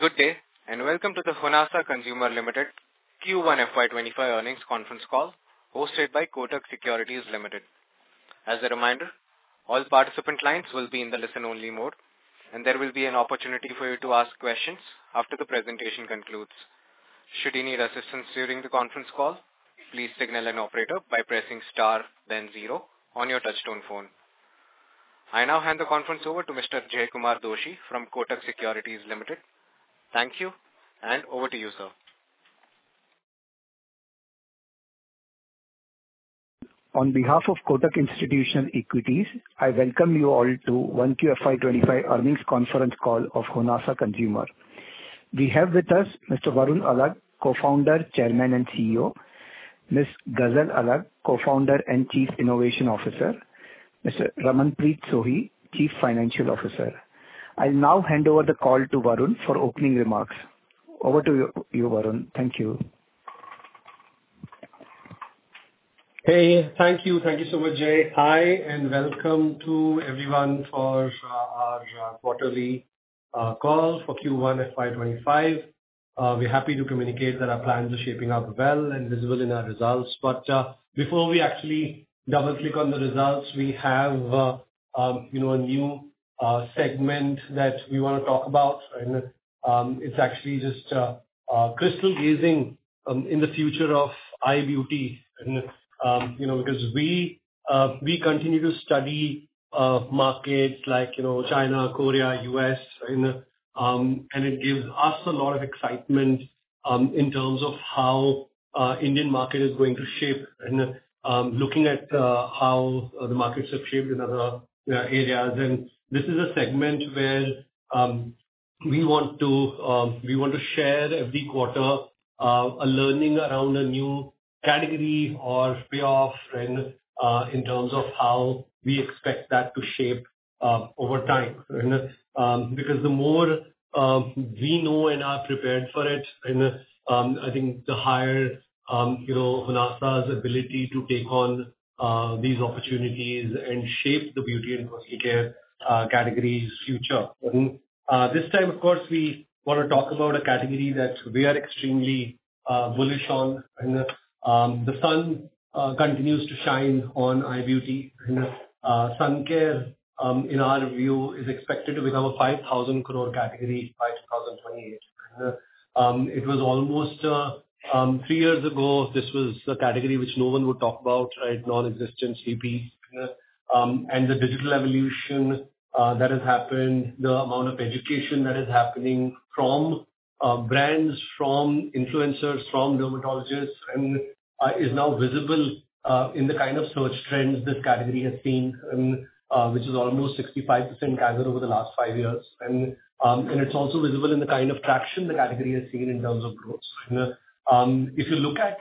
Good day, and welcome to the Honasa Consumer Limited Q1 FY 2025 earnings conference call, hosted by Kotak Securities Limited. As a reminder, all participant clients will be in the listen-only mode, and there will be an opportunity for you to ask questions after the presentation concludes. Should you need assistance during the conference call, please signal an operator by pressing star then zero on your touchtone phone. I now hand the conference over to Mr. Jaykumar Doshi from Kotak Securities Limited. Thank you, and over to you, sir. On behalf of Kotak Institutional Equities, I welcome you all to the Q1 FY 2025 earnings conference call of Honasa Consumer. We have with us Mr. Varun Alagh, Co-founder, Chairman, and CEO; Ms. Ghazal Alagh, Co-founder and Chief Innovation Officer; Mr. Raman Preet Sohi, Chief Financial Officer. I'll now hand over the call to Varun for opening remarks. Over to you, Varun. Thank you. Hey, thank you. Thank you so much, Jay. Hi, and welcome to everyone for our quarterly call for Q1 FY 2025. We're happy to communicate that our plans are shaping up well and visible in our results. But before we actually double-click on the results, we have, you know, a new segment that we wanna talk about, and it's actually just crystal gazing in the future of I-Beauty. And you know, because we continue to study markets like, you know, China, Korea, U.S., and it gives us a lot of excitement in terms of how Indian market is going to shape and looking at how the markets have shaped in other areas. This is a segment where we want to, we want to share every quarter a learning around a new category or payoff, and in terms of how we expect that to shape over time. Because the more we know and are prepared for it, and I think the higher, you know, Honasa's ability to take on these opportunities and shape the beauty and personal care category's future. This time, of course, we wanna talk about a category that we are extremely bullish on, and the sun continues to shine on I-Beauty. Sun care, in our view, is expected to become an 5,000 crore category by 2028. It was almost three years ago, this was a category which no one would talk about, right? Non-existent CP. And the digital evolution that has happened, the amount of education that is happening from brands, from influencers, from dermatologists, and is now visible in the kind of search trends this category has seen, which is almost 65% CAGR over the last five years. And it's also visible in the kind of traction the category has seen in terms of growth. If you look at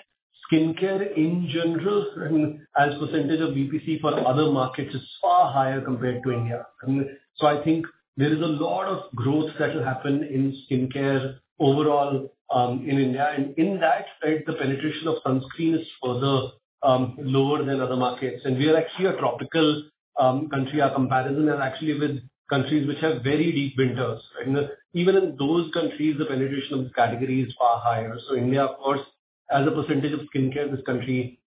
skincare in general, and as percentage of BPC for other markets, is far higher compared to India. And so I think there is a lot of growth that will happen in skincare overall in India. And in that space, the penetration of sunscreen is further lower than other markets. We are actually a tropical country. Our comparison is actually with countries which have very deep winters. Even in those countries, the penetration of this category is far higher. So India, of course, as a percentage of skincare, this country,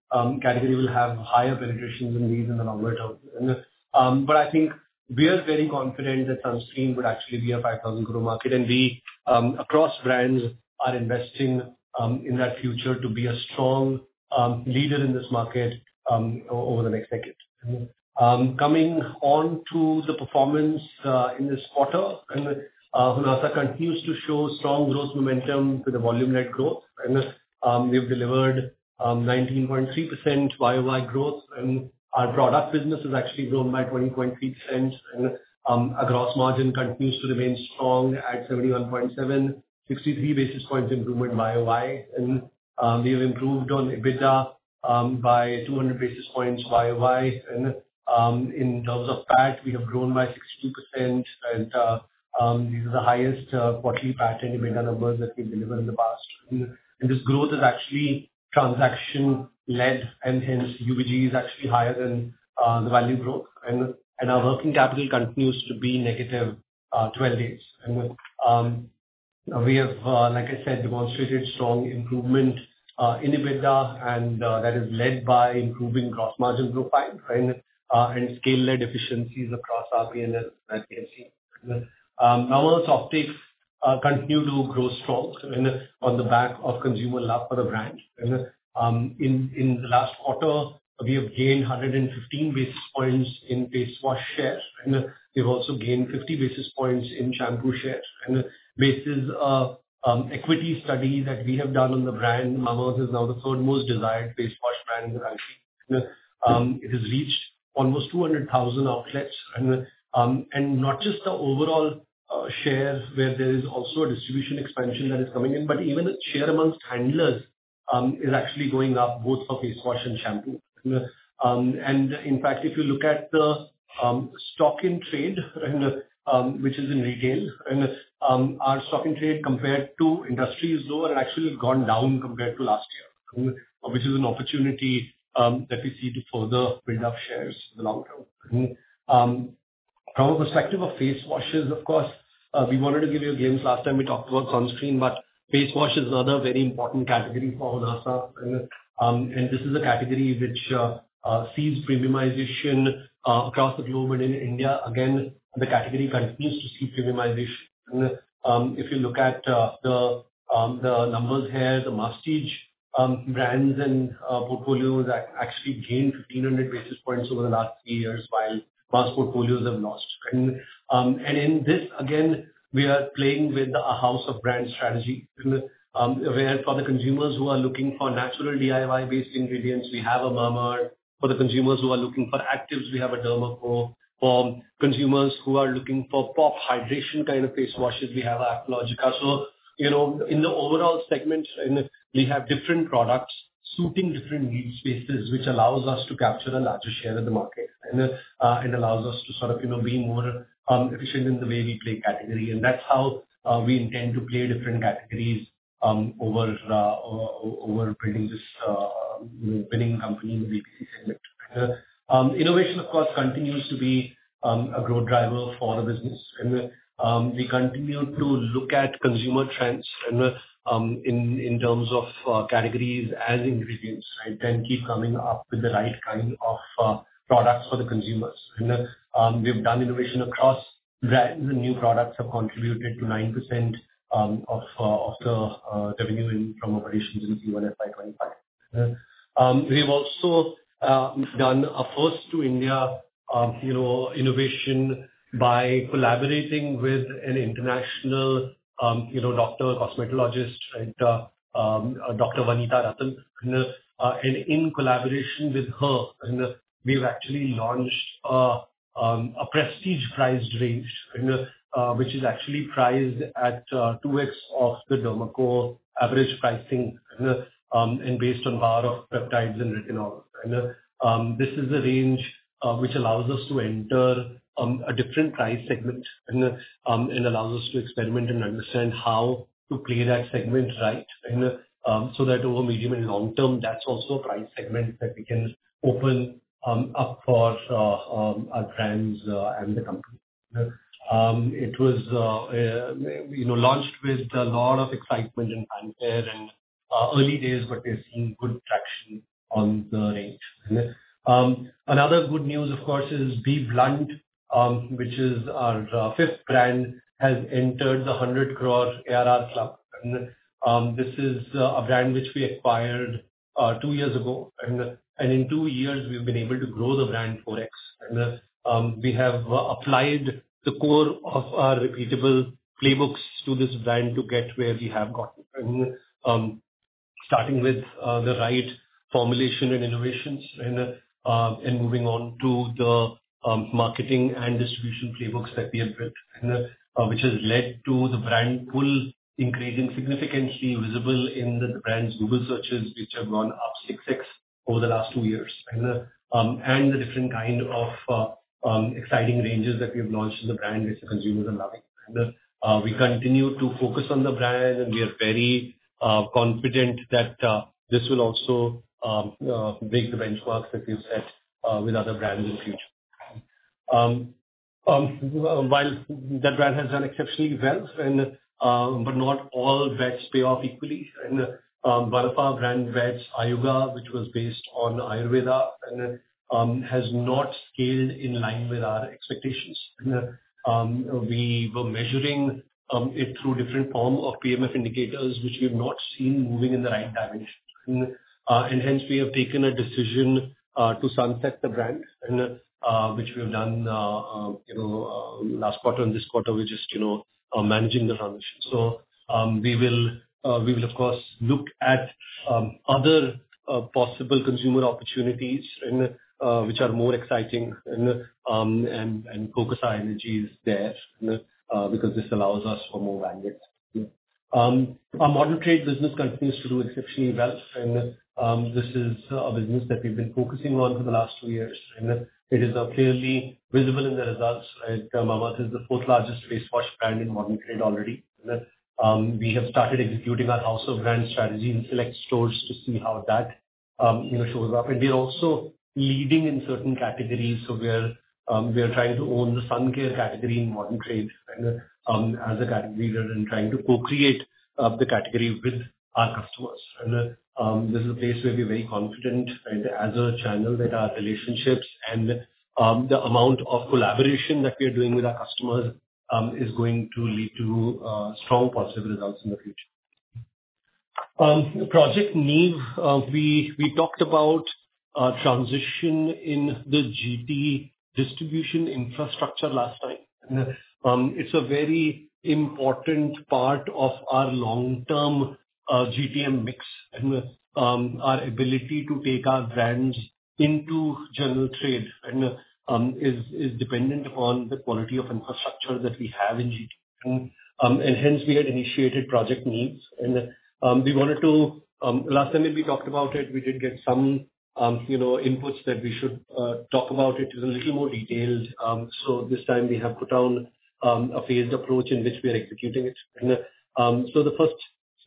category will have higher penetration than these in the longer-term. But I think we are very confident that sunscreen would actually be a 5,000 crore market, and we, across brands, are investing in that future to be a strong leader in this market over the next decade. Coming on to the performance in this quarter, Honasa continues to show strong growth momentum with the volume led growth, and we've delivered 19.3% YoY growth, and our product business has actually grown by 20.3%. Our gross margin continues to remain strong at 71.7, 63 basis points improvement YoY. We have improved on EBITDA by 200 basis points YoY. In terms of PAT, we have grown by 60% and this is the highest quarterly PAT and EBITDA numbers that we've delivered in the past. This growth is actually transaction-led, and hence, UVG is actually higher than the value growth. Our working capital continues to be negative 12 days. Like I said, we have demonstrated strong improvement in EBITDA, and that is led by improving gross margin profile and scale-led efficiencies across our P&L as we have seen. Our offtakes continue to grow strong, and on the back of consumer love for the brand. In the last quarter, we have gained 115 basis points in face wash shares, and we've also gained 50 basis points in shampoo shares. Based on the equity study that we have done on the brand, Mamaearth is now the third most desired face wash brand in the country. It has reached almost 200,000 outlets and not just the overall shares, where there is also a distribution expansion that is coming in, but even the share amongst handlers is actually going up both for face wash and shampoo. And in fact, if you look at the stock in trade and which is in retail, and our stock in trade compared to industry is low and actually gone down compared to last year. Which is an opportunity, that we see to further build up shares in the long-term. From a perspective of face washes, of course, we wanted to give you a glimpse last time we talked about sunscreen, but face wash is another very important category for Honasa, and, and this is a category which, sees premiumization, across the globe and in India, again, the category continues to see premiumization. If you look at, the, the numbers here, the masstige, brands and, portfolios actually gained 1500 basis points over the last three years, while mass portfolios have lost. And, and in this, again, we are playing with a house of brand strategy. Where for the consumers who are looking for natural DIY-based ingredients, we have a Mamaearth. For the consumers who are looking for actives, we have The Derma Co. For consumers who are looking for top hydration kind of face washes, we have Aqualogica. So, you know, in the overall segment, and we have different products suiting different need spaces, which allows us to capture a larger share of the market, and it allows us to sort of, you know, be more efficient in the way we play category. And that's how we intend to play different categories over building this, you know, winning company in the segment. Innovation, of course, continues to be a growth driver for our business. And we continue to look at consumer trends, and in terms of categories as individuals, and then keep coming up with the right kind of products for the consumers. We've done innovation across that. The new products have contributed to 9% of the revenue from operations in Q1 FY 2025. We have also done a first to India, you know, innovation by collaborating with an international, you know, doctor, cosmetologist, right, Dr. Vanita Rattan. And in collaboration with her, we've actually launched a prestige priced range, which is actually priced at 2x of the Derma Co average pricing, and based on power of peptides and retinol. This is a range which allows us to enter a different price segment, and it allows us to experiment and understand how to play that segment right, and so that over medium and long term, that's also a price segment that we can open up for our brands and the company. It was, you know, launched with a lot of excitement and fanfare and early days, but we're seeing good traction on the range. Another good news, of course, is BBLUNT, which is our fifth brand, has entered the 100 crore ARR club. This is a brand which we acquired two years ago, and in two years we've been able to grow the brand 4x. We have applied the core of our repeatable playbooks to this brand to get where we have gotten. Starting with the right formulation and innovations, and moving on to the marketing and distribution playbooks that we have built, which has led to the brand pull, increasing significantly visible in the brand's Google searches, which have gone up 6x over the last two years. And the different kind of exciting ranges that we've launched in the brand, which the consumers are loving. And we continue to focus on the brand, and we are very confident that this will also make the benchmarks that we've set with other brands in the future. While that brand has done exceptionally well, and, but not all bets pay off equally, and, one of our brand bets, Ayuga, which was based on Ayurveda, and, has not scaled in line with our expectations. We were measuring, it through different form of PMF indicators, which we have not seen moving in the right direction. And hence we have taken a decision, to sunset the brand, and, which we have done, you know, last quarter and this quarter, we're just, you know, managing the transition. So, we will, we will of course, look at, other, possible consumer opportunities, and, which are more exciting, and, and focus our energies there, because this allows us for more bandwidth. Our modern trade business continues to do exceptionally well, and this is a business that we've been focusing on for the last two years, and it is clearly visible in the results. Right, Mamaearth is the fourth largest face wash brand in modern trade already. We have started executing our house of brand strategy in select stores to see how that, you know, shows up. And we are also leading in certain categories. So we are trying to own the Sun Care category in modern trade, and as a category leader and trying to co-create the category with our customers. This is a place where we're very confident, and as a channel with our relationships and the amount of collaboration that we are doing with our customers is going to lead to strong positive results in the future. Project Neev, we talked about transition in the GT distribution infrastructure last time. It's a very important part of our long-term GTM mix. Our ability to take our brands into general trade, and is dependent upon the quality of infrastructure that we have in GT. And hence we had initiated Project Neev. We wanted to last time that we talked about it, we did get some you know inputs that we should talk about it with a little more details. So this time we have put down a phased approach in which we are executing it. The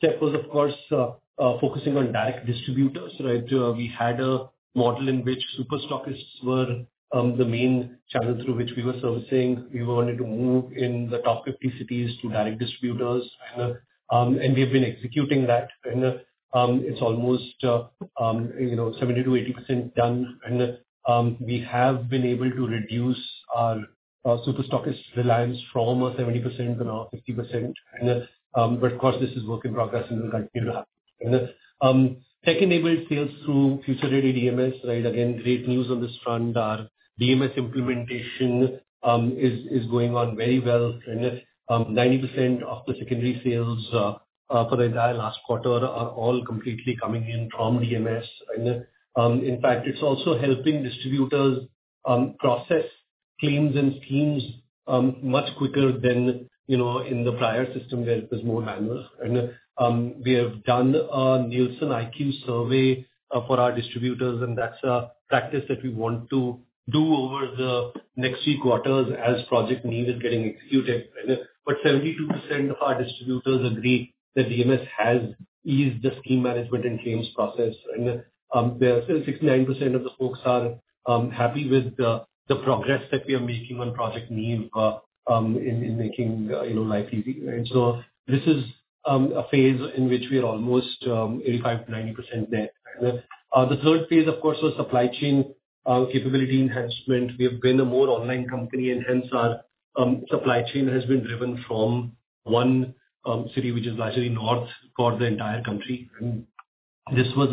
first step was, of course, focusing on direct distributors, right? We had a model in which Super Stockists were the main channel through which we were servicing. We wanted to move in the top 50 cities to direct distributors, and we've been executing that, and it's almost, you know, 70%-80% done. We have been able to reduce our Super Stockist reliance from 70% to now 50%. But of course, this is work in progress and will continue to happen. Second enabled sales through future-ready DMS. Right. Again, great news on this front. Our DMS implementation is going on very well, and 90% of the secondary sales for the entire last quarter are all completely coming in from DMS. And in fact, it's also helping distributors process claims and schemes much quicker than, you know, in the prior system, there was more manual. And we have done a NielsenIQ survey for our distributors, and that's a practice that we want to do over the next three quarters as Project Neev is getting executed. And but 72% of our distributors agree that DMS has eased the scheme management and claims process. And there are still 69% of the folks are happy with the progress that we are making on Project Neev in making, you know, life easy. And so this is a phase in which we are almost 85%-90% there. And the third phase, of course, was supply chain capability enhancement. We have been a more online company, and hence our supply chain has been driven from one city, which is largely North for the entire country. And this was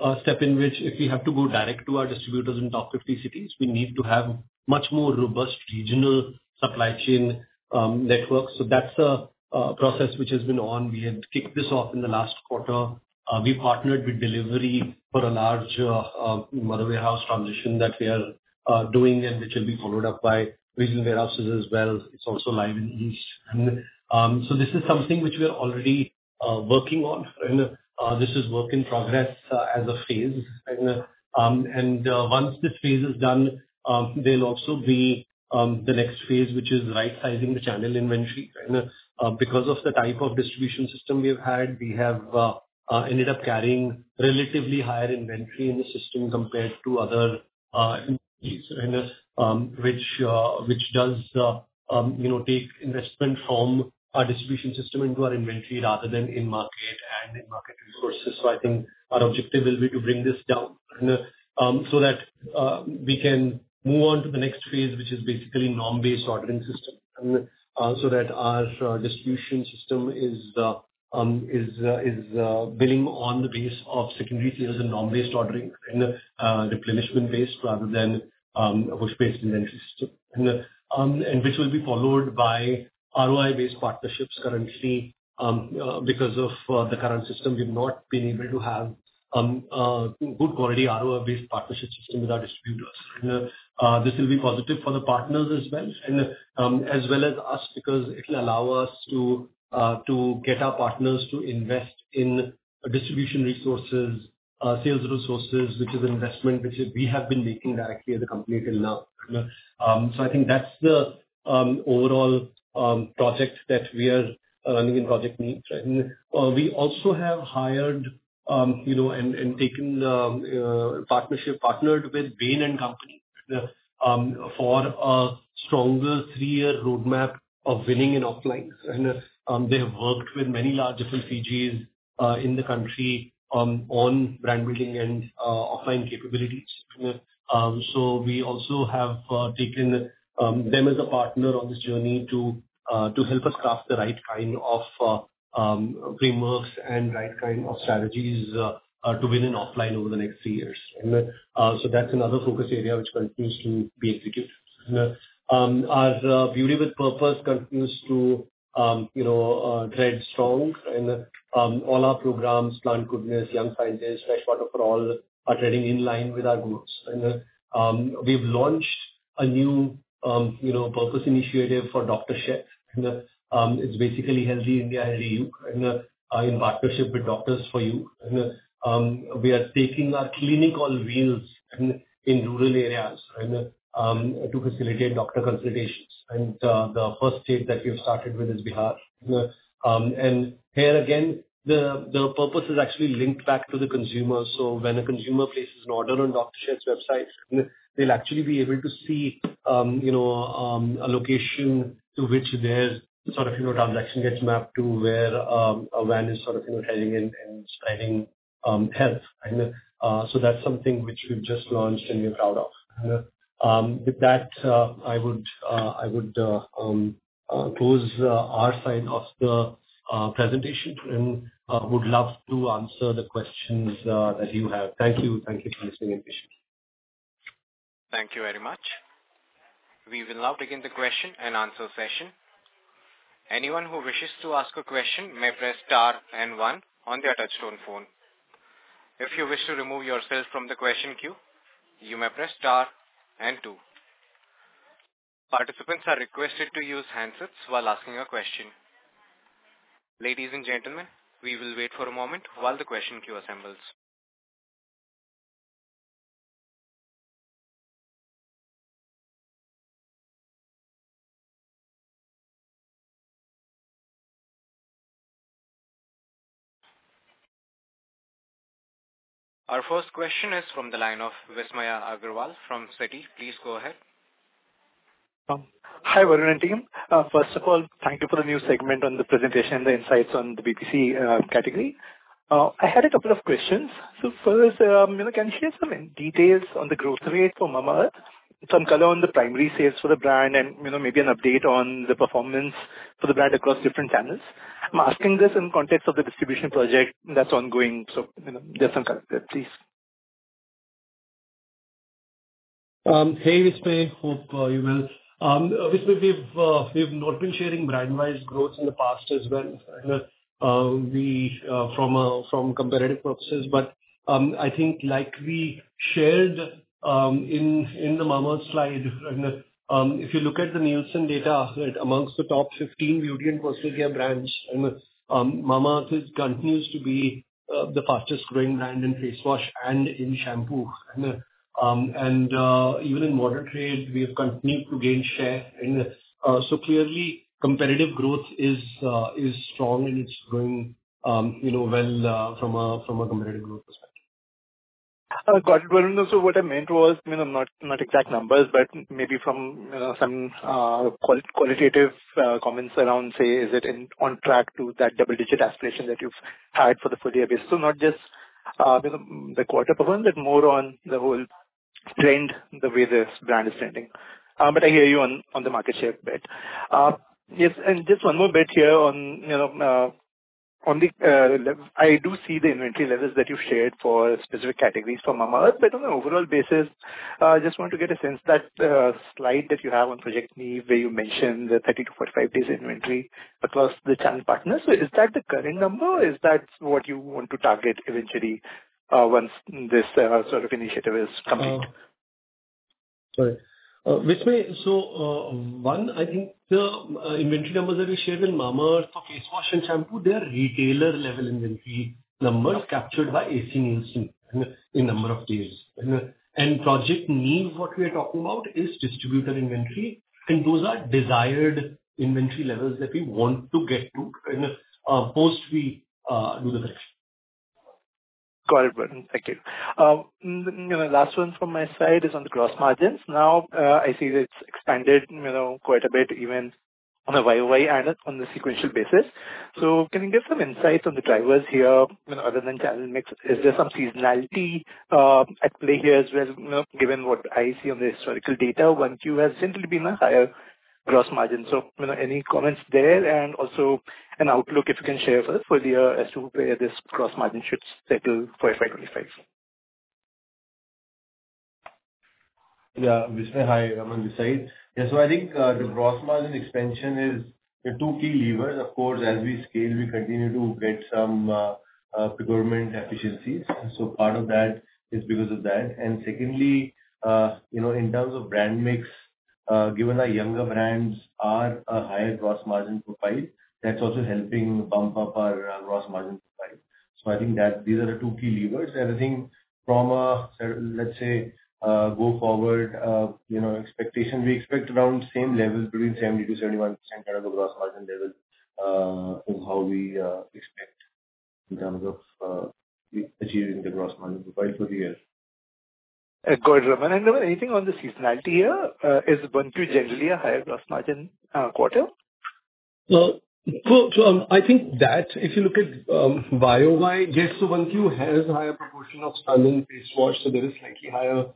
a step in which if we have to go direct to our distributors in top 50 cities, we need to have much more robust regional supply chain network. So that's a process which has been on. We had kicked this off in the last quarter. We partnered with Delhivery for a large warehouse transition that we are doing, and which will be followed up by regional warehouses as well. It's also live in East. So this is something which we are already working on, and this is work in progress as a phase. And once this phase is done, there'll be the next phase, which is right-sizing the channel inventory. And because of the type of distribution system we have had, we have ended up carrying relatively higher inventory in the system compared to other, and which does, you know, take investment from our distribution system into our inventory rather than in market and in market resources. So I think our objective will be to bring this down, so that we can move on to the next phase, which is basically norm-based ordering system. So that our distribution system is built on the basis of secondary sales and norm-based ordering and replenishment basis rather than push-based inventory system. And which will be followed by ROI-based partnerships. Currently, because of the current system, we've not been able to have a good quality ROI-based partnership system with our distributors. And this will be positive for the partners as well, and as well as us, because it'll allow us to get our partners to invest in distribution resources, sales resources, which is investment which we have been making directly as a company till now. So I think that's the overall project that we are running in Project Neev. We also have hired, you know, and taken the partnership, partnered with Bain & Company, for a stronger three-year roadmap of winning in offline. They have worked with many large FMCGs in the country on brand building and offline capabilities. So we also have taken them as a partner on this journey to help us craft the right kind of frameworks and right kind of strategies to win in offline over the next three years. So that's another focus area which continues to be executed. Our beauty with purpose continues to, you know, tread strong. All our programs, Plant Goodness, Young Scientist, Freshwater For All, are treading in line with our goals. And, we've launched a new, you know, purpose initiative for Dr. Sheth's. And, it's basically Healthy India, Healthy You, and, in partnership with Doctors For You. And, we are taking our clinic on wheels in rural areas and, to facilitate doctor consultations. And, the first state that we've started with is Bihar. And here again, the purpose is actually linked back to the consumer. So when a consumer places an order on Dr. Sheth's website, they'll actually be able to see, you know, a location to which their sort of, you know, transaction gets mapped to, where, a van is sort of, you know, heading in and spreading health. And, so that's something which we've just launched and we're proud of. And with that, I would close our side of the presentation, and would love to answer the questions that you have. Thank you. Thank you for listening and patience. Thank you very much. We will now begin the question-and-answer session. Anyone who wishes to ask a question may press star and one on their touchtone phone. If you wish to remove yourself from the question queue, you may press star and two. Participants are requested to use handsets while asking a question. Ladies and gentlemen, we will wait for a moment while the question queue assembles. Our first question is from the line of Vismaya Agarwal from Citi. Please go ahead. Hi, Varun and team. First of all, thank you for the new segment on the presentation, the insights on the BPC category. I had a couple of questions. So first, you know, can you share some details on the growth rate for Mamaearth, some color on the primary sales for the brand, and, you know, maybe an update on the performance for the brand across different channels? I'm asking this in context of the distribution project that's ongoing, so, you know, just some clarity, please. Hey, Vismaya. Hope you're well. Vismaya, we've not been sharing brand-wise growth in the past as well, from competitive purposes. But I think like we shared in the Mamaearth slide, if you look at the Nielsen data, among the top 15 beauty and personal care brands, and Mamaearth continues to be the fastest growing brand in face wash and in shampoo. And even in modern trade, we have continued to gain share, and so clearly, competitive growth is strong, and it's growing, you know, well, from a competitive growth perspective. Got it, Varun. So what I meant was, you know, not exact numbers, but maybe from some qualitative comments around, say, is it on track to that double-digit aspiration that you've had for the full year? So not just the quarter performance, but more on the whole trend, the way this brand is trending. But I hear you on the market share bit. Yes, and just one more bit here on, you know, on the levels. I do see the inventory levels that you've shared for specific categories for Mamaearth. But on an overall basis, just want to get a sense that slide that you have on Project Neev, where you mentioned the 30-45 days inventory across the channel partners. So is that the current number, or is that what you want to target eventually, sort of initiative is complete? Sorry. Vismaya, so, I think the inventory numbers that we shared in Mamaearth for face wash and shampoo, they are retailer-level inventory numbers captured by AC Nielsen in number of days. And Project Neev, what we are talking about, is distributor inventory, and those are desired inventory levels that we want to get to, and, post we do the math. Got it, Varun. Thank you. You know, last one from my side is on the gross margins. Now, I see that it's expanded, you know, quite a bit, even on a YoY and on the sequential basis. So can you give some insights on the drivers here, you know, other than channel mix? Is there some seasonality at play here as well, you know, given what I see on the historical data, Q1 has simply been a higher gross margin. So, you know, any comments there, and also an outlook, if you can share with us for the year as to where this gross margin should settle for FY 2025? Yeah. Vismaya, hi, Raman this side. Yeah, so I think, the gross margin expansion is the two key levers. Of course, as we scale, we continue to get some, procurement efficiencies, so part of that is because of that. And secondly, you know, in terms of brand mix, given our younger brands are a higher gross margin profile, that's also helping bump up our, gross margin profile. So I think that these are the two key levers. And I think from a, let's say, go forward, you know, expectation, we expect around same levels between 70%-71% kind of the gross margin levels, is how we, expect in terms of, achieving the gross margin profile for the year. Got it, Raman. Anything on the seasonality here? Is Q1 generally a higher gross margin quarter? So, I think that if you look at YoY, yes, so Q1 has a higher proportion of skin and face wash, so there is slightly higher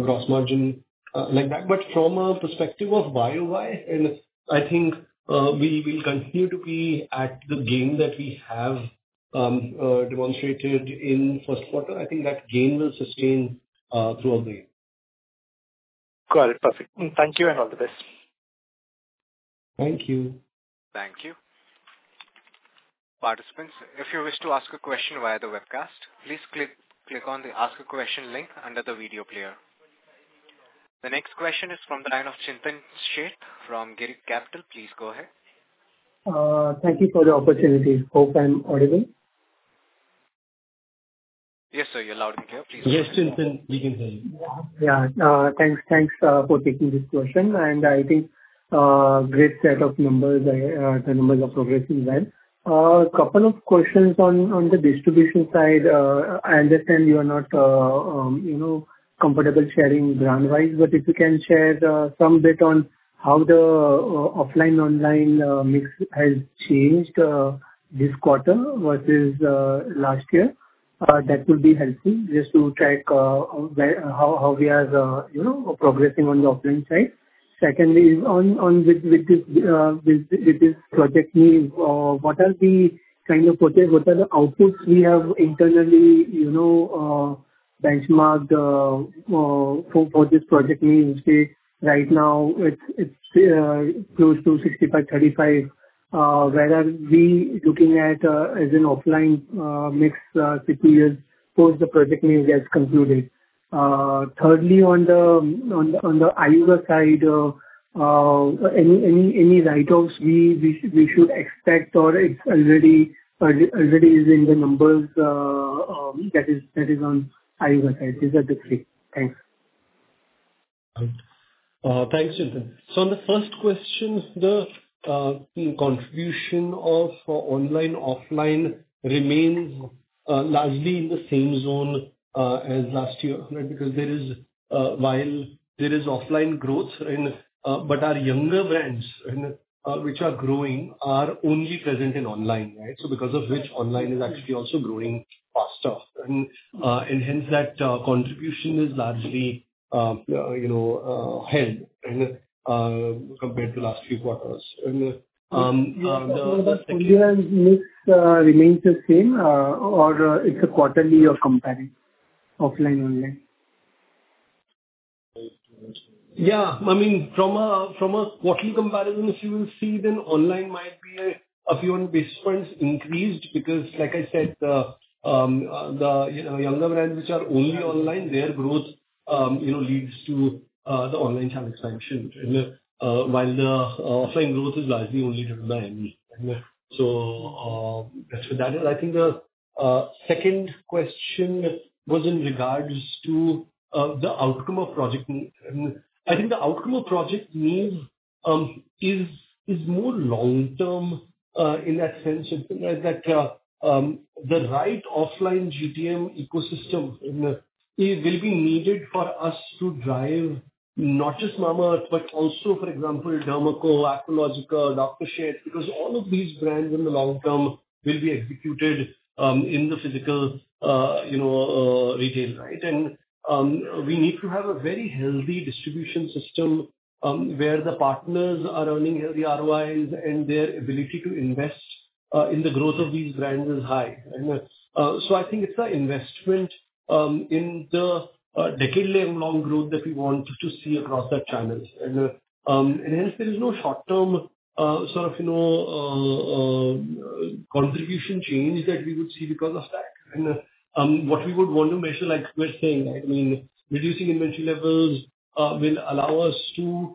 gross margin, like that. But from a perspective of YoY, and I think we'll continue to be at the gain that we have demonstrated in first quarter. I think that gain will sustain throughout the year. Got it. Perfect. Thank you, and all the best. Thank you. Thank you. Participants, if you wish to ask a question via the webcast, please click on the Ask a Question link under the video player. The next question is from the line of Chintan Sheth from Girik Capital. Please go ahead. Thank you for the opportunity. Hope I'm audible. Yes, sir, you're loud and clear. Please. Yes, Chintan, we can hear you. Yeah. Thanks, thanks, for taking this question. And I think, great set of numbers, the numbers are progressing well. Couple of questions on the distribution side. I understand you are not, you know, comfortable sharing brand-wise, but if you can share, some bit on how the offline, online mix has changed, this quarter versus last year, that would be helpful, just to track how we are, you know, progressing on the offline side. Secondly, on with this Project Neev, what are we trying to protect? What are the outputs we have internally, you know, benchmarked, for this Project Neev, which say right now it's close to 65/35. Where are we looking at as an offline mix as a percentage post the Project Neev gets concluded? Thirdly, on the Ayuga side, any write-offs we should expect, or it's already in the numbers. That is on Ayuga side. These are the three. Thanks. Thanks, Chintan. So on the first question, the contribution of online, offline remains largely in the same zone as last year, right? Because there is, while there is offline growth in, but our younger brands, which are growing, are only present in online, right? So because of which, online is actually also growing faster. And hence that contribution is largely, you know, held in compared to last few quarters. And, the. Remains the same, or it's a quarterly you're comparing, offline, online? Yeah. I mean, from a quarterly comparison, you will see then online might be a few basis points increased, because like I said, the you know, younger brands which are only online, their growth you know leads to the online channel expansion. And while the offline growth is largely only driven by Mamaearth. So that's what that is. I think the second question was in regards to the outcome of Project Neev. I think the outcome of Project Neev is more long-term in that sense, that the right offline GTM ecosystem will be needed for us to drive not just Mamaearth, but also, for example, Derma Co, Aqualogica, Dr. Sheth's, because all of these brands in the long-term will be executed in the physical you know retail, right? We need to have a very healthy distribution system where the partners are earning healthy ROIs, and their ability to invest in the growth of these brands is high. So I think it's an investment in the decade-long growth that we want to see across the channels. And hence there is no short-term sort of, you know, contribution change that we would see because of that. What we would want to measure, like we're saying, I mean, reducing inventory levels will allow us to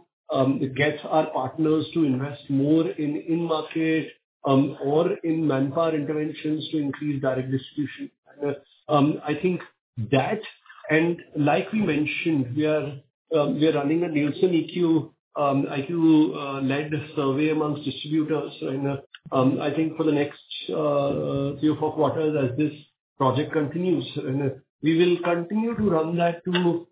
get our partners to invest more in in-market or in manpower interventions to increase direct distribution. I think that, and like we mentioned, we are running a NielsenIQ-led survey among distributors. I think for the next three or four quarters, as this project continues, and we will continue to run that to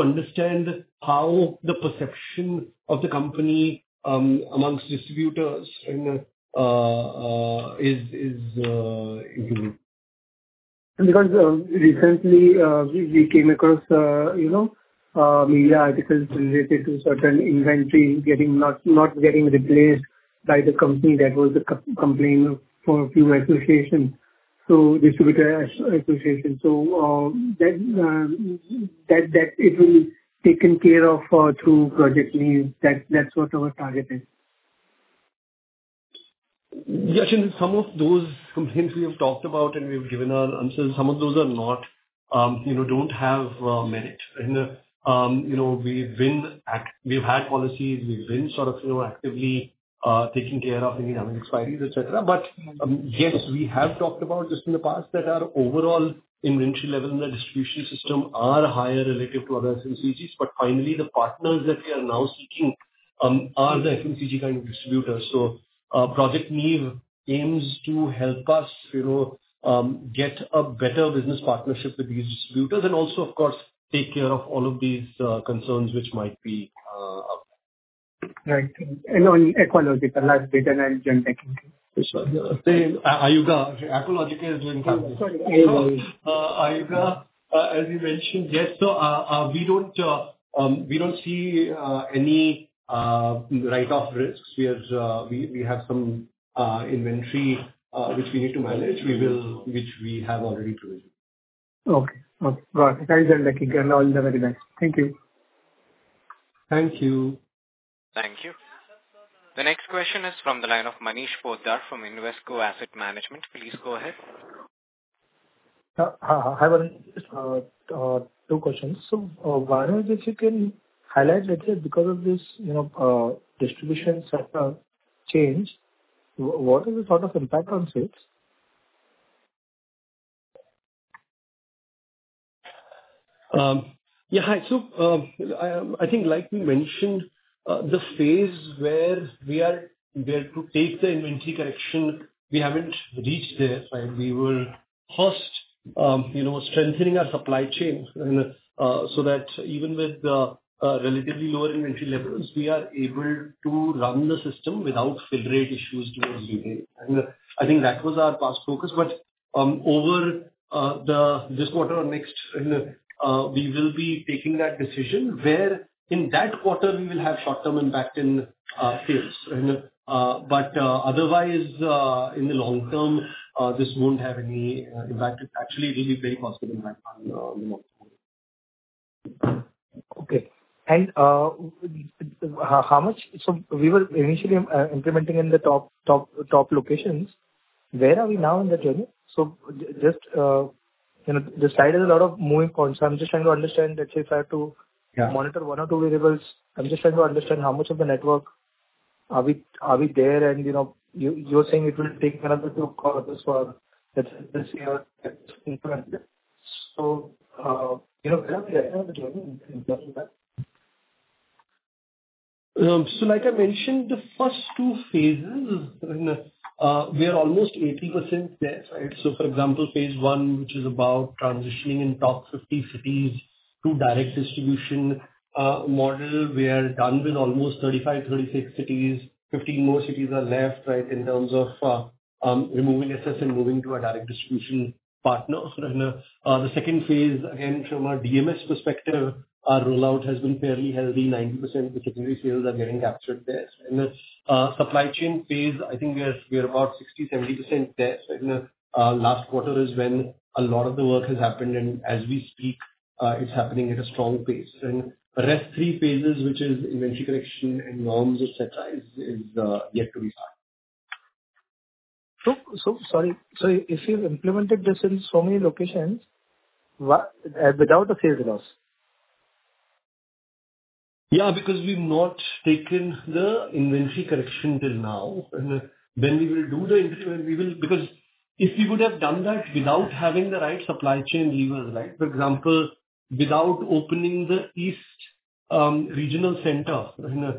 understand how the perception of the company amongst distributors and is improving. Because recently we came across you know media articles related to certain inventory getting... not getting replaced by the company. That was a complaint for a few associations, so distributor associations. So that it will be taken care of through Project Neev, that's what our target is. Yeah, Chintan, some of those complaints we have talked about, and we've given our answers. Some of those are not, you know, don't have merit. And, you know, we've had policies, we've been sort of, you know, actively taking care of any having expiries, et cetera. But, yes, we have talked about this in the past, that our overall inventory level in the distribution system are higher relative to other FMCGs. But finally, the partners that we are now seeking are the FMCG kind of distributors. So, Project Neev aims to help us, you know, get a better business partnership with these distributors and also, of course, take care of all of these concerns, which might be up. Right. And on Aqualogica, that's data and technical. Say, Ayuga. Aqualogica is doing. Sorry. Ayuga. Ayuga, as you mentioned, yes, so we don't see any write-off risks. We have some inventory which we need to manage, which we have already provisioned. Okay. Okay, got it. Very nice. Thank you. Thank you. Thank you. The next question is from the line of Manish Poddar from Invesco Asset Management. Please go ahead. Hi, two questions. So, one is, if you can highlight, actually, because of this, you know, distribution sector change, what is the sort of impact on sales? Yeah, hi. So, I think like we mentioned, the phase where we are there to take the inventory correction, we haven't reached there, right? We will first, you know, strengthening our supply chain, so that even with the relatively lower inventory levels, we are able to run the system without delivery issues towards retail. And I think that was our past focus. But over this quarter or next, we will be taking that decision where in that quarter we will have short-term impact in sales. But otherwise, in the long-term, this won't have any impact. It actually will be very positive impact on the long-term. Okay. And, how much. So we were initially implementing in the top, top, top locations. Where are we now in that journey? So just, you know, this side has a lot of moving parts. I'm just trying to understand that if I had to. Yeah. Monitor one or two variables, I'm just trying to understand how much of the network? Are we, are we there? And, you know, you, you're saying it will take another two quarters for this, this year to implement. So, you know, where are we right now in terms of that? So like I mentioned, the first two phases, we are almost 80% there, right? So, for example, phase one, which is about transitioning in top 50 cities to direct distribution model, we are done with almost 35, 36 cities. 15 more cities are left, right? In terms of removing SS and moving to a direct distribution partner. And the second phase, again, from a DMS perspective, our rollout has been fairly healthy, 90% of the delivery sales are getting captured there. And supply chain phase, I think we are, we are about 60%, 70% there. And last quarter is when a lot of the work has happened, and as we speak, it's happening at a strong pace. And the rest three phases, which is inventory correction and norms et cetera, is yet to be done. So, so sorry. So if you've implemented this in so many locations, why, without a sales loss? Yeah, because we've not taken the inventory correction till now. And when we will do the inventory, we will. Because if we would have done that without having the right supply chain levers, right? For example, without opening the East regional center, and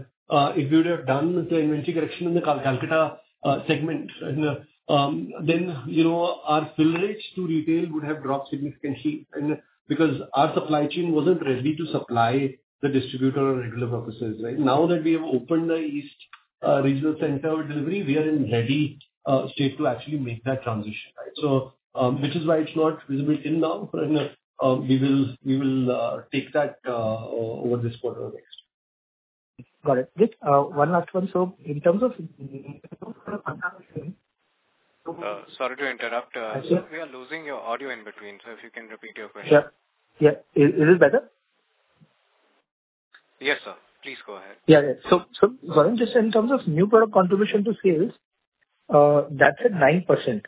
if we would have done the inventory correction in the Calcutta segment, and then, you know, our fill rates to retail would have dropped significantly. And because our supply chain wasn't ready to supply the distributor or regional offices, right? Now that we have opened the East regional center delivery, we are in ready state to actually make that transition, right? So which is why it's not visible in now. And we will take that over this quarter or next. Got it. Just, one last one. So in terms of Sorry to interrupt. We are losing your audio in between, so if you can repeat your question. Yeah. Yeah. Is it better? Yes, sir. Please go ahead. Yeah, yeah. So, Varun, just in terms of new product contribution to sales, that's at 9%.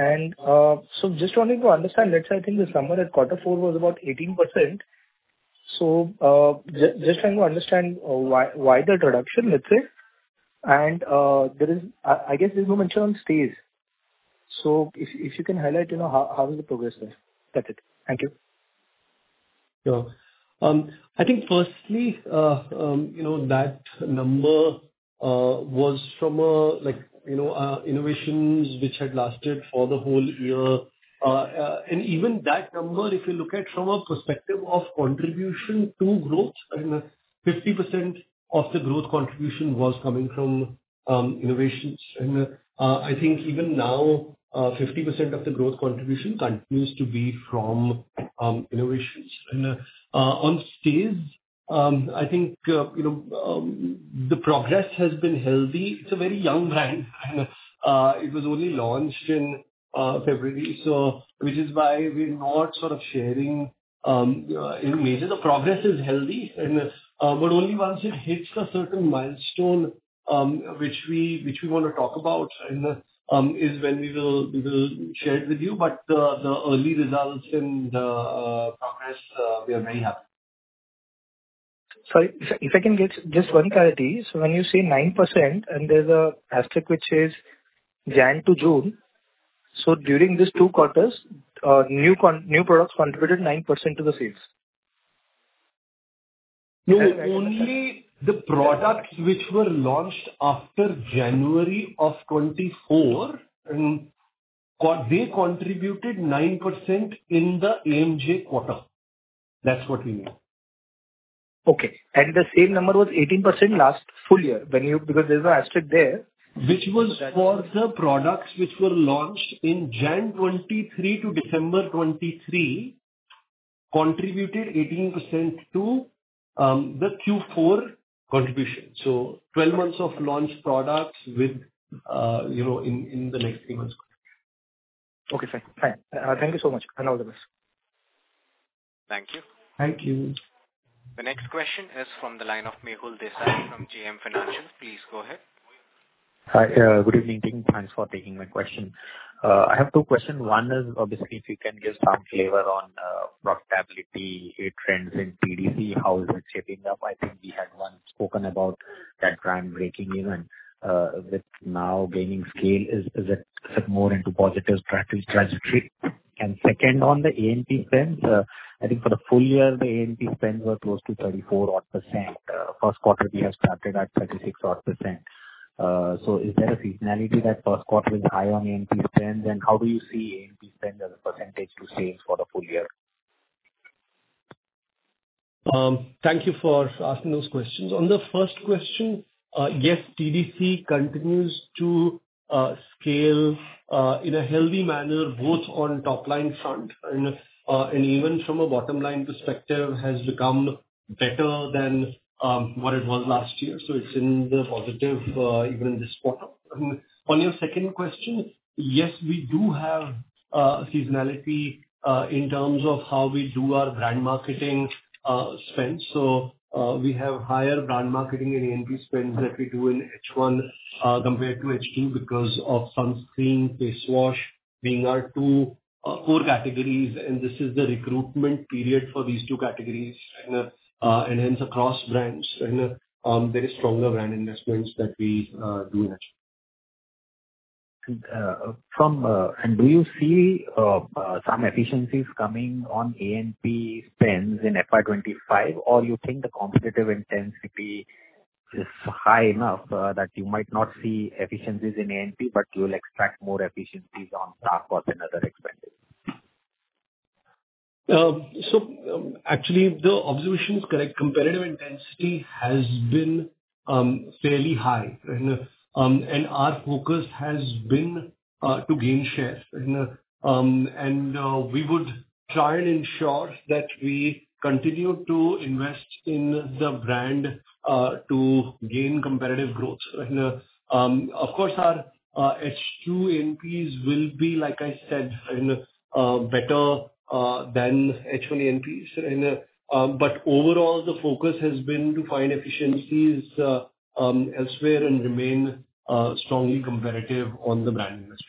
And, so just wanting to understand, let's say, I think the somewhere at quarter four was about 18%. So, just trying to understand why the reduction, let's say? And, there is, I guess there's no mention on Staze. So if you can highlight, you know, how it is progressing? That's it. Thank you. Sure. I think firstly, you know, that number was from a, like, you know, innovations which had lasted for the whole year. And even that number, if you look at from a perspective of contribution to growth, and 50% of the growth contribution was coming from innovations. And, I think even now, 50% of the growth contribution continues to be from innovations. And, on Staze, I think, you know, the progress has been healthy. It's a very young brand. It was only launched in February, so which is why we're not sort of sharing, you know, major. The progress is healthy and but only once it hits a certain milestone, which we want to talk about, and is when we will share it with you. But the early results and progress, we are very happy. Sorry, if I can get just one clarity. So when you say 9%, and there's an asterisk which says January to June, so during these two quarters, new products contributed 9% to the sales? No, only the products which were launched after January of 2024. They contributed 9% in the AMJ quarter. That's what we mean. Okay. And the same number was 18% last full year, when you, because there's an asterisk there. Which was for the products which were launched in January 2023 to December 2023, contributed 18% to the Q4 contribution. So 12 months of launched products with, you know, in, in the next 3 months. Okay, fine. Fine. Thank you so much, and all the best. Thank you. Thank you. The next question is from the line of Mehul Desai from JM Financial. Please go ahead. Hi, good evening. Thanks for taking my question. I have two questions. One is, obviously, if you can give some flavor on, profitability, trends in TDC, how is it shaping up? I think we had once spoken about that brand breaking even, with now gaining scale. Is, is it more into positive trajectory? And second, on the A&P spends, I think for the full year, the A&P spends were close to 34-odd%. First quarter, we have started at 36-odd%. So, is there a seasonality that first quarter is high on A&P spends? And how do you see A&P spend as a percentage to sales for the full year? Thank you for asking those questions. On the first question, yes, TDC continues to scale in a healthy manner, both on top line front and and even from a bottom line perspective, has become better than what it was last year. So it's in the positive even in this quarter. On your second question, yes, we do have seasonality in terms of how we do our brand marketing spends. So we have higher brand marketing and A&P spends that we do in H1 compared to H2, because of sunscreen, face wash, being our two core categories, and this is the recruitment period for these two categories and hence across brands, and there is stronger brand investments that we do actually. Do you see some efficiencies coming on A&P spends in FY 2025 or you think the competitive intensity is high enough that you might not see efficiencies in A&P, but you will extract more efficiencies on stock costs and other expenditures? Actually, the observation is correct. Competitive intensity has been fairly high, and our focus has been to gain shares. We would try and ensure that we continue to invest in the brand to gain competitive growth. Of course, our H2 A&Ps will be, like I said, better than H1 A&Ps. But overall, the focus has been to find efficiencies elsewhere and remain strongly competitive on the brand investment.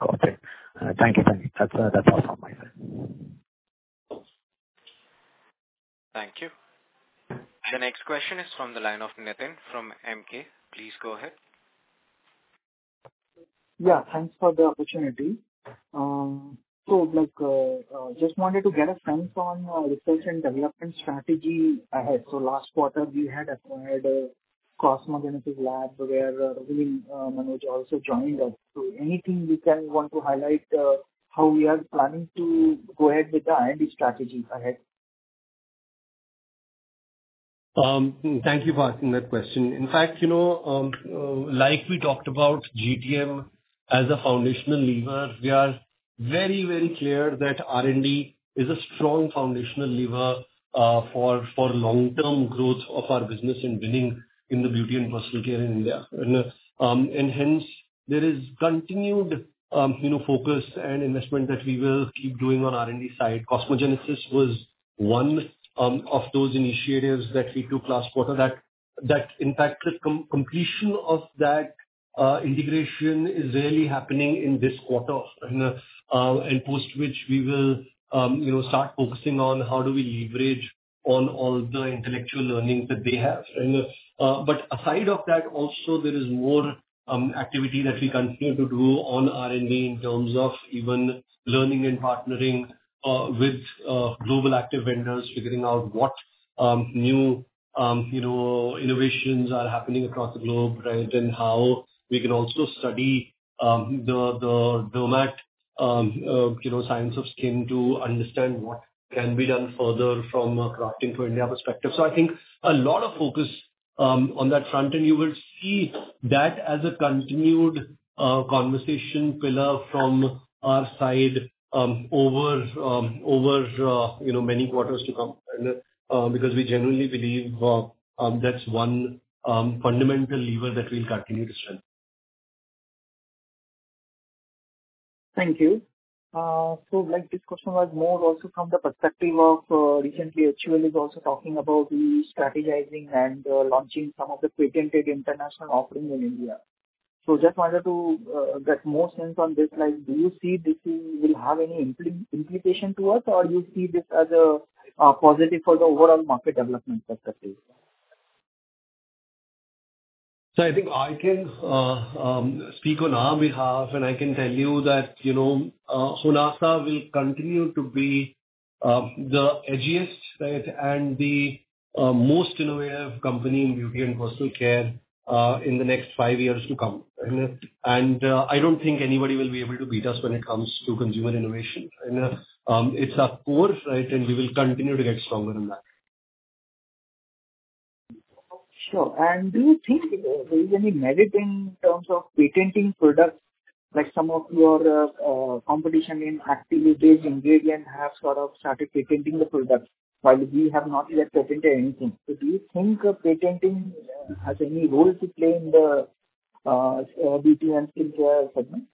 Got it. Thank you, Varun. That's, that's all from my side. Thank you. The next question is from the line of Nitin from MK. Please go ahead. Yeah, thanks for the opportunity. So, like, just wanted to get a sense on research and development strategy ahead. So last quarter, we had acquired Cosmogenesis Labs, where Manoj also joined us. So anything you can want to highlight how we are planning to go ahead with the R&D strategy ahead? Thank you for asking that question. In fact, you know, like we talked about GTM as a foundational lever, we are very, very clear that R&D is a strong foundational lever for long-term growth of our business and winning in the beauty and personal care in India. And hence there is continued, you know, focus and investment that we will keep doing on R&D side. Cosmogenesis was one of those initiatives that we took last quarter, that in fact, the completion of that integration is really happening in this quarter. And post which we will, you know, start focusing on how do we leverage on all the intellectual learnings that they have. But aside from that, also, there is more activity that we continue to do on R&D in terms of even learning and partnering with global active vendors, figuring out what new you know innovations are happening across the globe, right? And how we can also study the dermatology you know science of skin to understand what can be done further from a crafting for India perspective. So I think a lot of focus on that front, and you will see that as a continued conversation pillar from our side over you know many quarters to come. And because we generally believe that's one fundamental lever that we'll continue to strengthen. Thank you. So, like, this question was more also from the perspective of recently HUL is also talking about the strategizing and launching some of the patented international offerings in India. So just wanted to get more sense on this. Like, do you see this will, will have any implication to us, or you see this as a positive for the overall market development perspective? So I think I can speak on our behalf, and I can tell you that, you know, Honasa will continue to be the edgiest, right, and the most innovative company in beauty and personal care, in the next five years to come. And I don't think anybody will be able to beat us when it comes to consumer innovation. And it's our course, right, and we will continue to get stronger in that. Sure. And do you think there is any merit in terms of patenting products, like some of your, competition in active ingredients, have sort of started patenting the products, while we have not yet patented anything? So do you think patenting, has any role to play in the, beauty and skin care segment?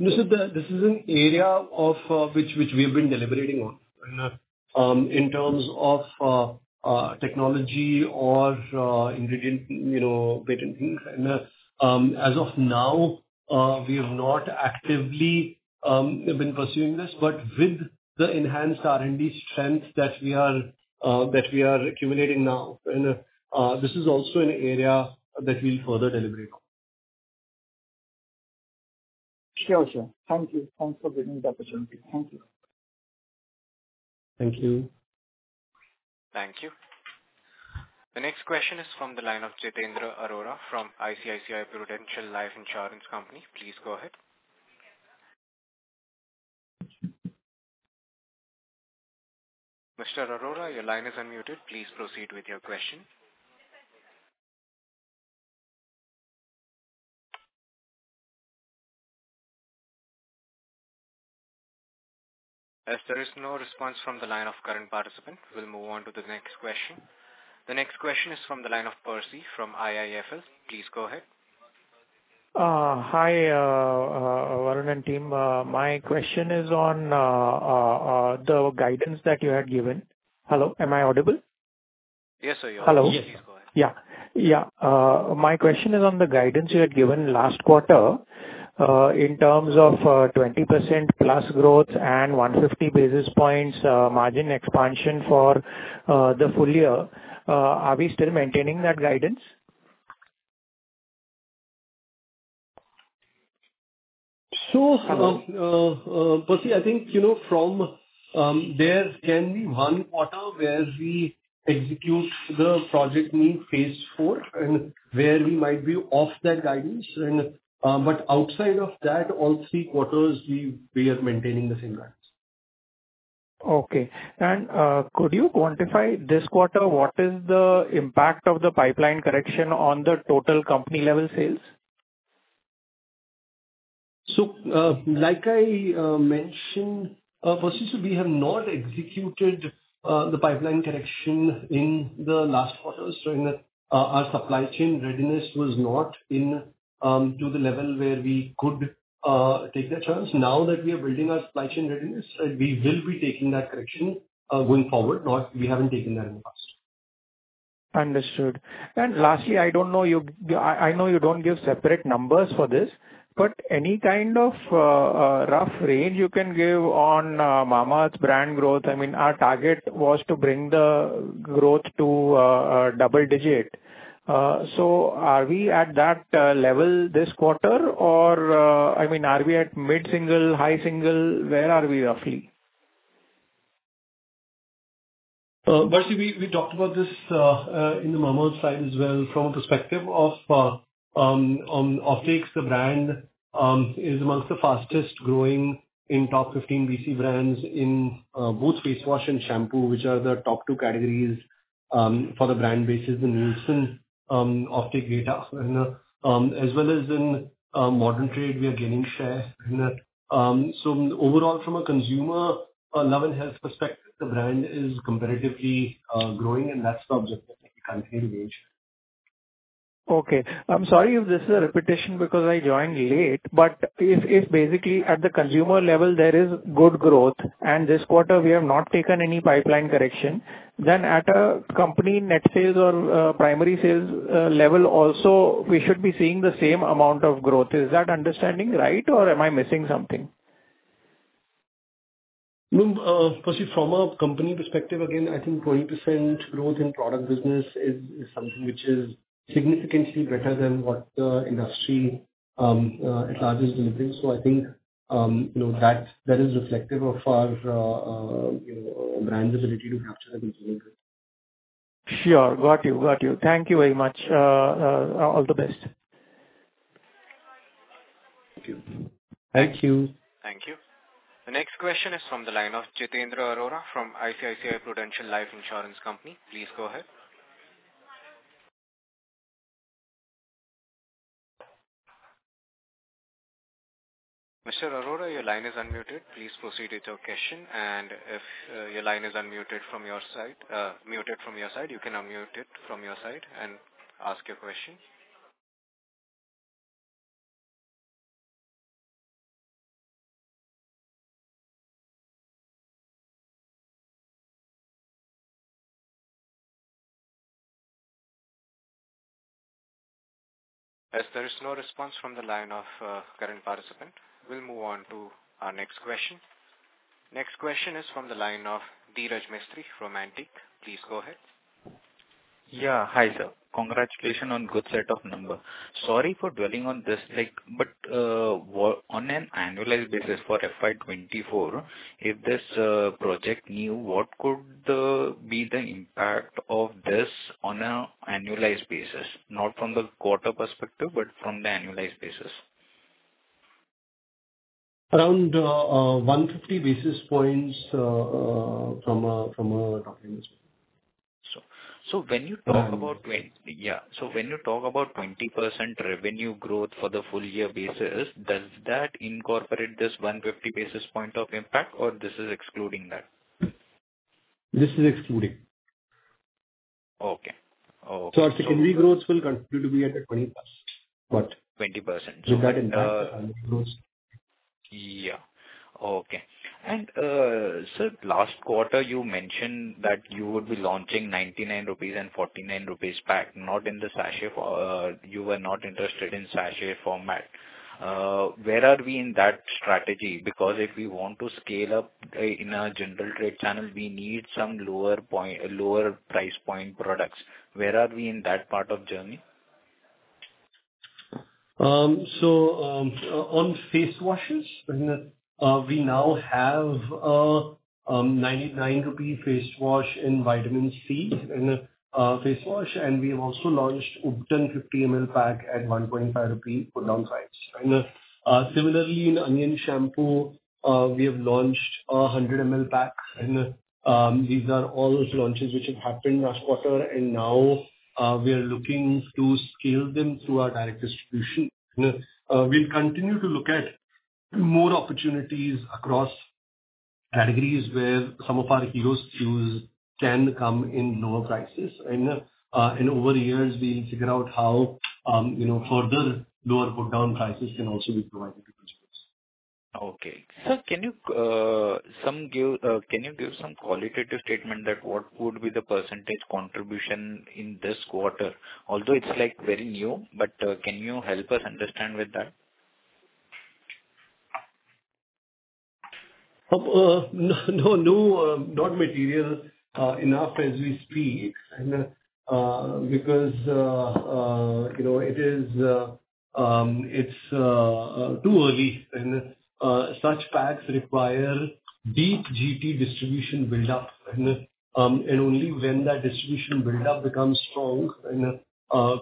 This is an area of which we have been deliberating on. In terms of technology or ingredient, you know, patenting. As of now, we have not actively been pursuing this, but with the enhanced R&D strength that we are accumulating now, and this is also an area that we'll further deliberate on. Sure, sure. Thank you. Thanks for giving me the opportunity. Thank you. Thank you. Thank you. The next question is from the line of Jitendra Arora from ICICI Prudential Life Insurance Company. Please go ahead. Mr. Arora, your line is unmuted. Please proceed with your question. As there is no response from the line of current participant, we'll move on to the next question. The next question is from the line of Percy from IIFL. Please go ahead. Hi, Varun and team. My question is on the guidance that you had given. Hello, am I audible? Yes, sir, you are. Hello. Yes, please go ahead. Yeah, yeah. My question is on the guidance you had given last quarter, in terms of 20%+ growth and 150 basis points margin expansion for the full year. Are we still maintaining that guidance? So, Percy, I think, you know, from there can be Q1 where we execute the Project Neev Phase IV, and where we might be off that guidance. And, but outside of that, all 3 quarters we are maintaining the same guidance. Okay. Could you quantify this quarter, what is the impact of the pipeline correction on the total company level sales? Like I mentioned, Percy, we have not executed the pipeline correction in the last quarter, so our supply chain readiness was not up to the level where we could take that chance. Now that we are building our supply chain readiness, we will be taking that correction going forward. We haven't taken that in the past. Understood. And lastly, I don't know you, I know you don't give separate numbers for this, but any kind of rough range you can give on Mamaearth's brand growth? I mean, our target was to bring the growth to a double digit. So are we at that level this quarter or, I mean, are we at mid-single, high single? Where are we roughly? Percy, we talked about this in the Mamaearth side as well. From a perspective of Optix, the brand is amongst the fastest growing in top 15 VC brands in both face wash and shampoo, which are the top two categories for the brand bases in recent Optix data. And as well as in modern trade, we are gaining share. And so overall, from a consumer level health perspective, the brand is comparatively growing, and that's the objective we continue to gauge. Okay. I'm sorry if this is a repetition because I joined late, but if basically at the consumer level, there is good growth, and this quarter we have not taken any pipeline correction, then at a company net sales or primary sales level also, we should be seeing the same amount of growth. Is that understanding right or am I missing something? No, Percy, from a company perspective, again, I think 20% growth in product business is something which is significantly better than what the industry at large is delivering. So I think, you know, that is reflective of our you know, brand visibility we have to have consumer group. Sure. Got you, got you. Thank you very much. All the best. Thank you. Thank you. Thank you. The next question is from the line of Jitendra Arora from ICICI Prudential Life Insurance Company. Please go ahead. Mr. Arora, your line is unmuted. Please proceed with your question, and if your line is unmuted from your side, muted from your side, you can unmute it from your side and ask your question. As there is no response from the line of current participant, we'll move on to our next question. Next question is from the line of Dhiraj Mistry from Antique. Please go ahead. Yeah. Hi, sir. Congratulations on good set of number. Sorry for dwelling on this, like, but, what, on an annualized basis for FY 2024, if this, Project Neev, what could the, be the impact of this on a annualized basis? Not from the quarter perspective, but from the annualized basis. Around 150 basis points from a top line perspective. So when you talk about. Yeah, so when you talk about 20% revenue growth for the full year basis, does that incorporate this 150 basis points of impact, or this is excluding that? This is excluding. Okay. Oh, okay. Our secondary growth will continue to be at a 20%. But. 20%. With that impact on the growth. Yeah. Okay. And, sir, last quarter you mentioned that you would be launching 99 rupees and 49 rupees pack, not in the sachet for, you were not interested in sachet format. Where are we in that strategy? Because if we want to scale up, in a General Trade channel, we need some lower point, lower price point products. Where are we in that part of journey? So, on face washes, and we now have a 99 rupee face wash in Vitamin C, and face wash, and we have also launched Ubtan 50 ml pack at 1.5 rupees for long size. And similarly, in onion shampoo, we have launched a 100 ml pack, and these are all those launches which have happened last quarter. And now, we are looking to scale them through our direct distribution. We'll continue to look at more opportunities across categories where some of our hero SKUs can come in lower prices. And over the years, we've figured out how, you know, further lower brought down prices can also be provided to customers. Okay. Sir, can you give some qualitative statement that what would be the percentage contribution in this quarter? Although it's, like, very new, but can you help us understand with that? No, no, not material enough as we speak. And, you know, it is, it's too early, and such packs require deep GT distribution build-up, and only when that distribution build-up becomes strong,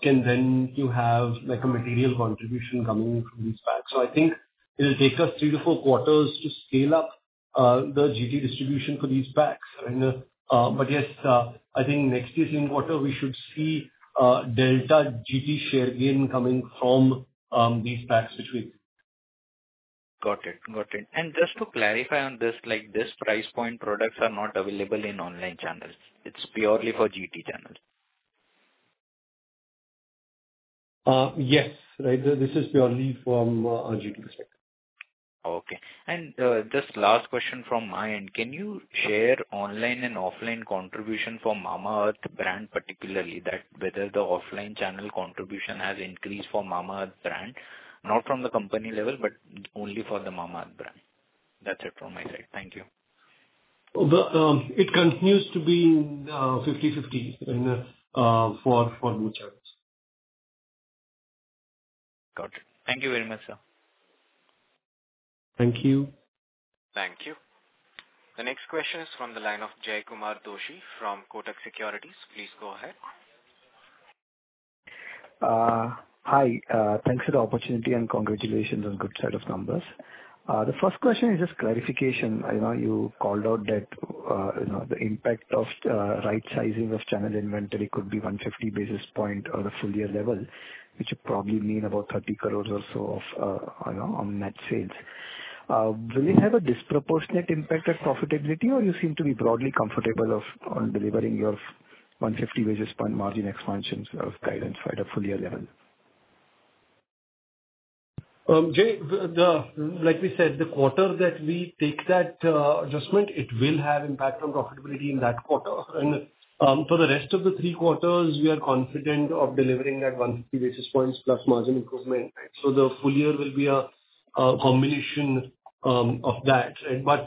can then you have, like, a material contribution coming in from these packs. So I think it'll take us three to four quarters to scale up the GT distribution for these packs. And, but yes, I think next year in quarter, we should see delta GT share gain coming from these packs which we- Got it. Got it. Just to clarify on this, like, this price point products are not available in online channels. It's purely for GT channels. Yes, right. This is purely from our GT perspective. Okay. And, just last question from my end. Can you share online and offline contribution for Mamaearth brand, particularly that whether the offline channel contribution has increased for Mamaearth brand? Not from the company level, but only for the Mamaearth brand. That's it from my side. Thank you. It continues to be 50/50, and for both channels. Got it. Thank you very much, sir. Thank you. Thank you. The next question is from the line of Jaykumar Doshi from Kotak Securities. Please go ahead. Hi. Thanks for the opportunity, and congratulations on good set of numbers. The first question is just clarification. I know you called out that, you know, the impact of, right sizing of channel inventory could be 150 basis points on a full year level, which would probably mean about 30 crore or so of, you know, on net sales. Will it have a disproportionate impact on profitability, or you seem to be broadly comfortable of, on delivering your 150 basis points margin expansion of guidance for the full year level? Jay, the, like we said, the quarter that we take that adjustment, it will have impact on profitability in that quarter. And for the rest of the three quarters, we are confident of delivering that 150 basis points plus margin improvement. So the full year will be a combination of that. But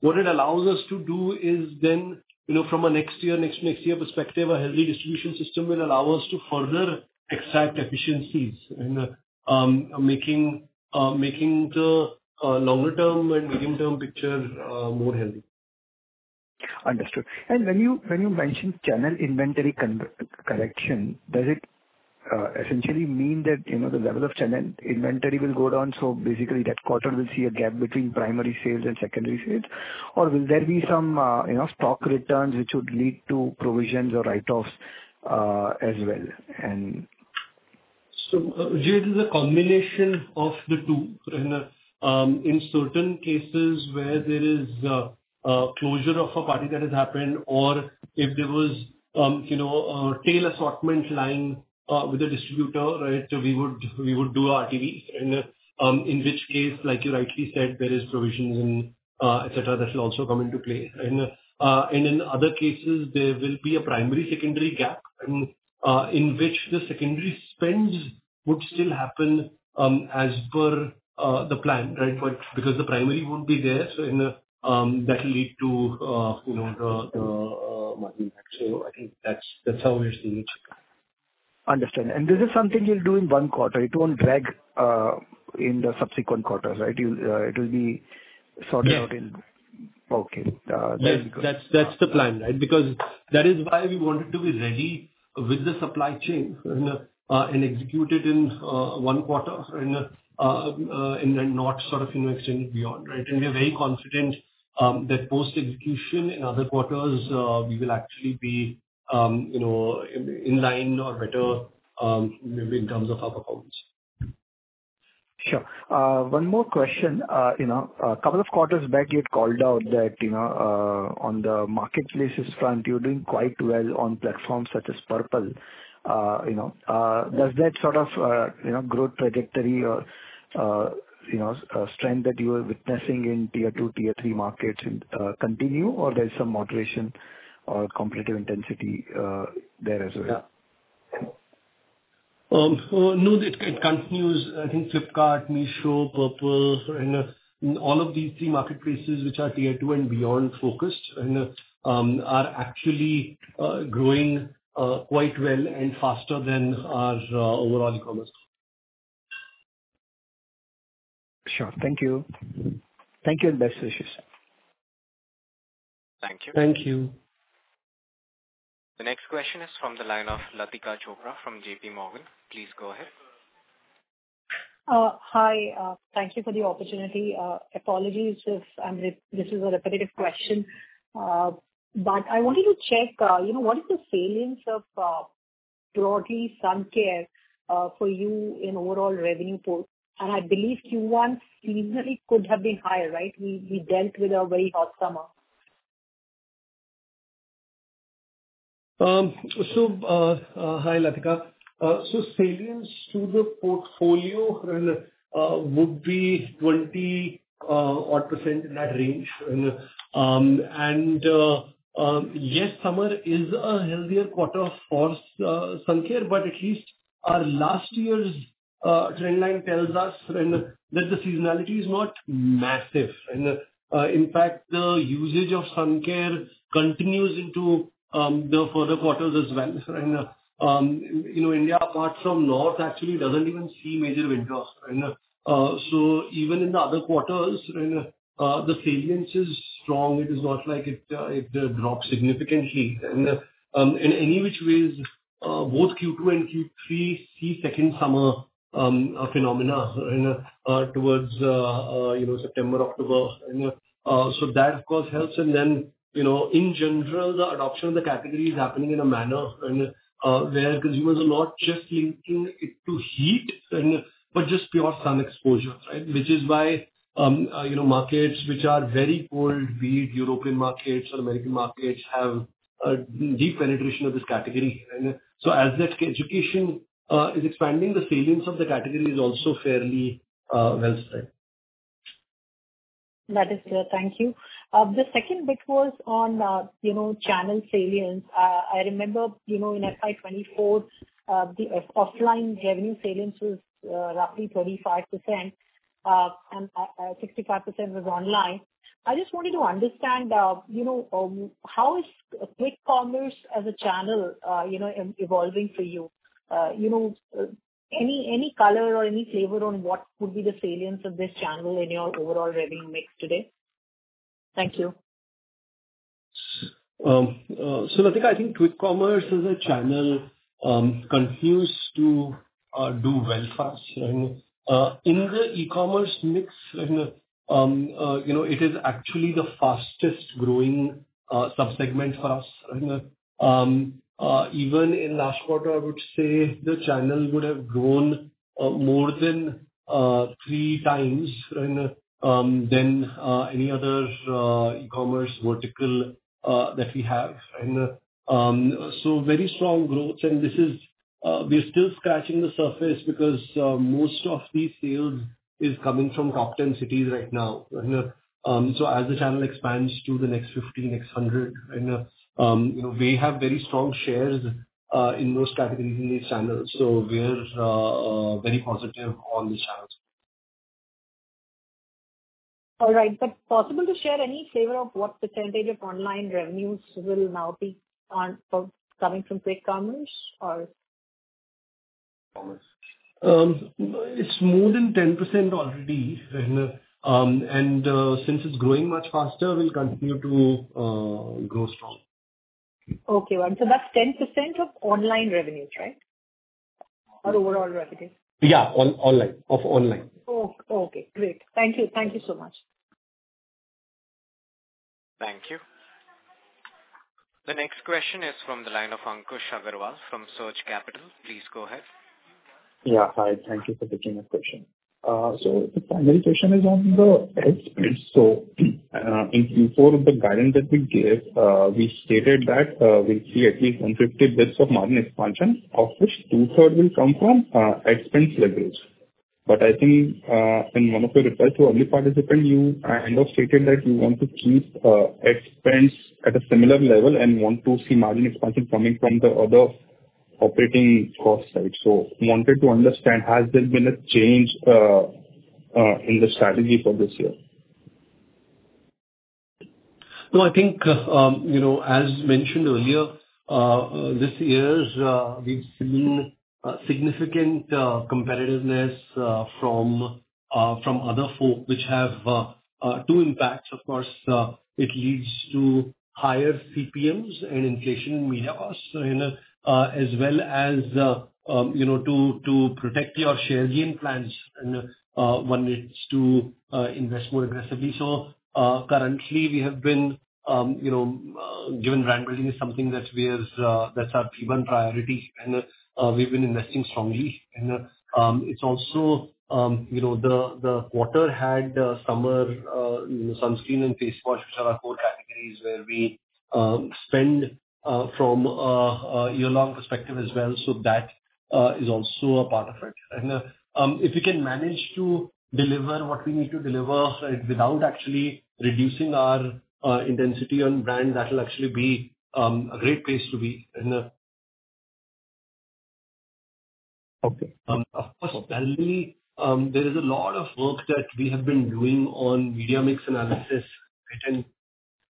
what it allows us to do is then, you know, from a next year perspective, a healthy distribution system will allow us to further exact efficiencies, and making the longer-term and medium-term picture more healthy. Understood. When you mention channel inventory correction, does it essentially mean that, you know, the level of channel inventory will go down, so basically that quarter will see a gap between primary sales and secondary sales? Or will there be some, you know, stock returns which would lead to provisions or write-offs, as well, and. So, Jay, it is a combination of the two. And, in certain cases where there is a closure of a party that has happened, or if there was, you know, a tail assortment lying with a distributor, right, we would do RTV. And, in which case, like you rightly said, there is provisions and, et cetera, that will also come into play. And, and in other cases, there will be a primary, secondary gap, in which the secondary spends would still happen, as per, the plan, right? But because the primary won't be there, so and, that'll lead to, you know, the margin. So I think that's how we are seeing it. Understood. This is something you'll do in one quarter. It won't drag, in the subsequent quarters, right? It will be sorted out in. Yes. Okay. Very good. That's the plan, right? Because that is why we wanted to be ready with the supply chain, and execute it in one quarter and then not sort of extend beyond, right? We are very confident that post-execution in other quarters, we will actually be, you know, in line or better, in terms of our performance. Sure. One more question. You know, a couple of quarters back, you had called out that, you know, on the marketplaces front, you're doing quite well on platforms such as Purplle. You know, does that sort of, you know, growth trajectory or, you know, strength that you are witnessing in tier two, tier three markets, continue, or there's some moderation or competitive intensity, there as well? Yeah. So no, it continues. I think Flipkart, Meesho, Purplle, and all of these three marketplaces, which are tier two and beyond focused, and are actually growing quite well and faster than our overall e-commerce. Sure. Thank you. Thank you, and best wishes. Thank you. Thank you. The next question is from the line of Latika Chopra from JPMorgan. Please go ahead. Hi. Thank you for the opportunity. Apologies if this is a repetitive question. I wanted to check, you know, what is the salience of. Broadly, Sun Care, for you in overall revenue pool. And I believe Q1 seasonally could have been higher, right? We dealt with a very hot summer. So, hi, Latika. So salience to the portfolio would be 20-odd% in that range. And yes, summer is a healthier quarter for sun care, but at least our last year's trend line tells us that the seasonality is not massive. And in fact, the usage of sun care continues into the further quarters as well. And you know, India, apart from north, actually doesn't even see major winters. And so even in the other quarters, the salience is strong, it is not like it drops significantly. And in any which ways, both Q2 and Q3 see second summer phenomena, and towards you know, September, October. And so that, of course, helps. And then, you know, in general, the adoption of the category is happening in a manner and where consumers are not just linking it to heat and but just pure sun exposure, right? Which is why, you know, markets which are very cold, be it European markets or American markets, have a deep penetration of this category. And so as that education is expanding, the salience of the category is also fairly well set. That is clear. Thank you. The second bit was on, you know, channel salience. I remember, you know, in FY 2024, the offline revenue salience was, roughly 35%, and, 65% was online. I just wanted to understand, you know, how is quick commerce as a channel, you know, evolving for you? You know, any color or any flavor on what could be the salience of this channel in your overall revenue mix today? Thank you. So Latika, I think quick commerce as a channel continues to do well for us, and in the e-commerce mix, and you know, it is actually the fastest growing sub-segment for us. And even in last quarter, I would say the channel would have grown more than 3 times, and than any other e-commerce vertical that we have. And so very strong growth, and this is, we're still scratching the surface because most of the sales is coming from top 10 cities right now. And so as the channel expands to the next 50, next 100, and you know, we have very strong shares in those categories in these channels, so we're very positive on these channels. All right. But possible to share any flavor of what percentage of online revenues will now be on, coming from quick commerce or? It's more than 10% already, and since it's growing much faster, we'll continue to grow strong. Okay, right. So that's 10% of online revenues, right? Or overall revenues? Yeah. Online, offline. Oh, okay. Great. Thank you. Thank you so much. Thank you. The next question is from the line of Ankush Agrawal from Surge Capital. Please go ahead. Yeah. Hi, thank you for taking this question. So, the primary question is on the expense. So, in Q4, the guidance that we gave, we stated that, we'll see at least 150 basis points of margin expansion, of which two-thirds will come from, expense leverage. But I think, in one of your replies to early participant, you, kind of stated that you want to keep, expense at a similar level and want to see margin expansion coming from the other operating cost side. So wanted to understand, has there been a change, in the strategy for this year? No, I think, you know, as mentioned earlier, this year, we've seen significant competitiveness from other folk, which have two impacts. Of course, it leads to higher CPMs and inflation in media costs, and as well as, you know, to protect your share gain plans, and one needs to invest more aggressively. So, currently, we have been, you know, given brand building is something that we are, that's our given priority, and we've been investing strongly in that. It's also, you know, the quarter had summer, sunscreen and face wash, which are our core categories, where we spend from a year-long perspective as well. So that is also a part of it. If we can manage to deliver what we need to deliver without actually reducing our intensity on brand, that will actually be a great place to be, and. Okay. Of course, secondly, there is a lot of work that we have been doing on media mix analysis and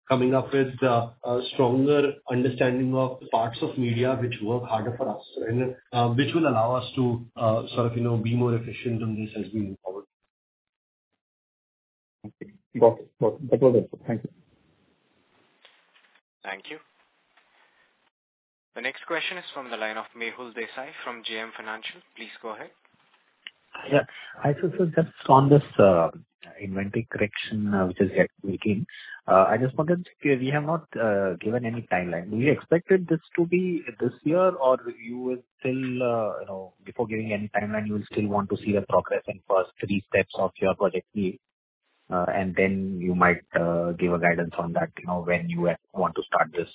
coming up with a stronger understanding of parts of media which work harder for us, and which will allow us to sort of, you know, be more efficient on this as we move forward. Okay. Well, well, that was it. Thank you. Thank you. The next question is from the line of Mehul Desai from JM Financial. Please go ahead. Yeah, I just saw this, inventory correction, which is yet making. I just wanted to, we have not given any timeline. Do you expected this to be this year, or you will still, you know, before giving any timeline, you will still want to see a progress in first three steps of your Project Neev, and then you might give a guidance on that, you know, when you want to start this,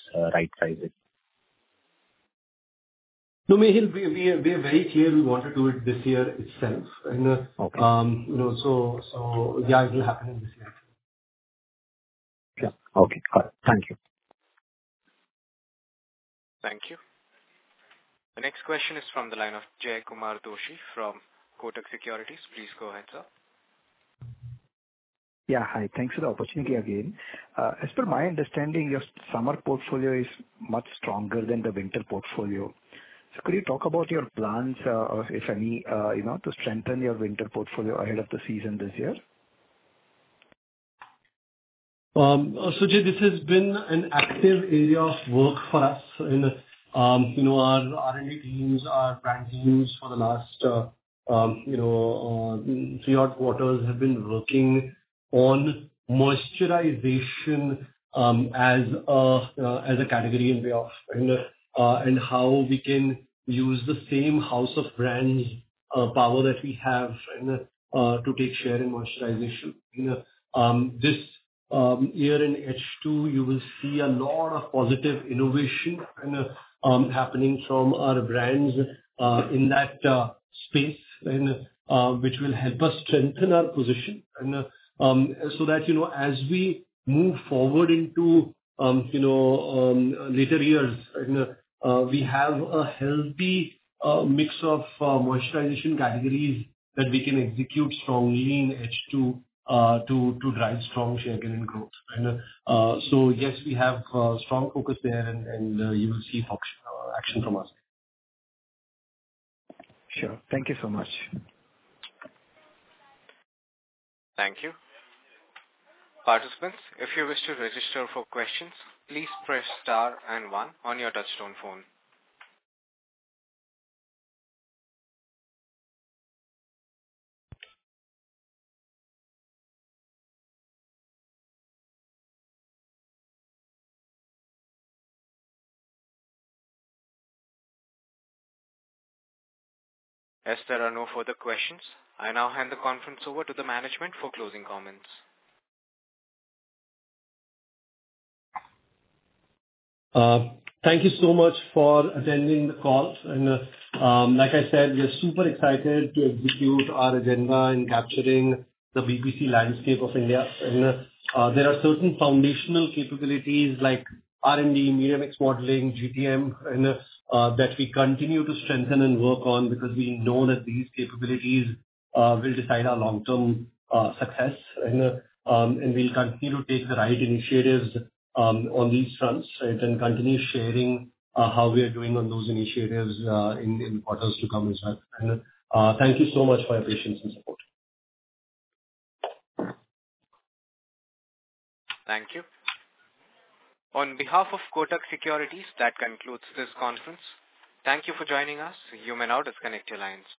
right-sizing? No, Mihir, we, we are very clear we want to do it this year itself. And, Okay. You know, so yeah, it will happen this year. Yeah. Okay, got it. Thank you. Thank you. The next question is from the line of Jaykumar Doshi from Kotak Securities. Please go ahead, sir. Yeah, hi. Thanks for the opportunity again. As per my understanding, your summer portfolio is much stronger than the winter portfolio. So could you talk about your plans, or if any, you know, to strengthen your winter portfolio ahead of the season this year? So Jay, this has been an active area of work for us. You know, our R&D teams, our brand teams for the last three quarters have been working on moisturization as a category in we have. And how we can use the same house of brands power that we have, and to take share in moisturization. You know, this year in H2, you will see a lot of positive innovation and happening from our brands in that space, and which will help us strengthen our position. And so that, you know, as we move forward into, you know, later years, and we have a healthy mix of moisturization categories that we can execute strongly in H2 to drive strong share gain and growth. And so yes, we have strong focus there, and you will see function action from us. Sure. Thank you so much. Thank you. Participants, if you wish to register for questions, please press star and one on your touchtone phone. As there are no further questions, I now hand the conference over to the management for closing comments. Thank you so much for attending the call. Like I said, we are super excited to execute our agenda in capturing the BPC landscape of India. There are certain foundational capabilities like R&D, media mix modeling, GTM, and that we continue to strengthen and work on, because we know that these capabilities will decide our long-term success. We'll continue to take the right initiatives on these fronts, and then continue sharing how we are doing on those initiatives in quarters to come as well. Thank you so much for your patience and support. Thank you. On behalf of Kotak Securities, that concludes this conference. Thank you for joining us. You may now disconnect your lines.